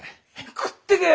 食ってけよ。